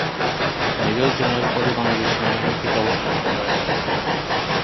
Major general পদে বাংলাদেশ সেনাবাহিনী থেকে অবসর গ্রহণ করেন।